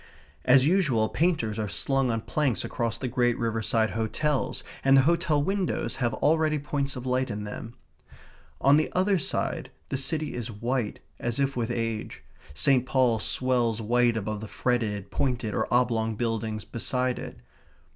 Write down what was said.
As usual, painters are slung on planks across the great riverside hotels, and the hotel windows have already points of light in them. On the other side the city is white as if with age; St. Paul's swells white above the fretted, pointed, or oblong buildings beside it.